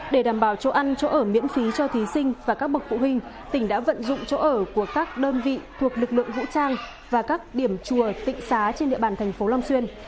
để đảm bảo chỗ ăn chỗ ở miễn phí cho thí sinh và các bậc phụ huynh tỉnh đã vận dụng chỗ ở của các đơn vị thuộc lực lượng vũ trang và các điểm chùa tịnh xá trên địa bàn thành phố long xuyên